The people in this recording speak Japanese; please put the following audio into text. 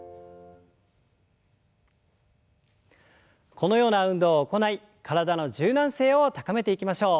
このような運動を行い体の柔軟性を高めていきましょう。